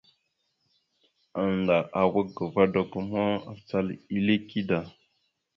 Annda awak ga vadago ma, acal ille kida.